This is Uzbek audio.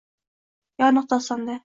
Yoniq dostonda.